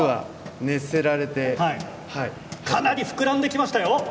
かなり膨らんできましたよ。